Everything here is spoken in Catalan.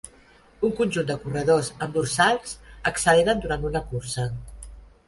Un conjunt de corredors amb dorsals acceleren durant una cursa.